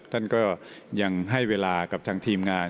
ท่านก็ยังให้เวลากับทางทีมงาน